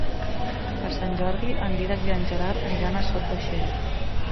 Per Sant Jordi en Dídac i en Gerard aniran a Sot de Xera.